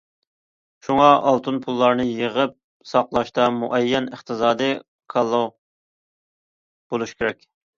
شۇڭا ئالتۇن پۇللارنى يىغىپ ساقلاشتا مۇئەييەن ئىقتىسادىي كاللا بولۇش كېرەك.